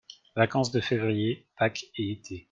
Vacances de février, Pâques et été.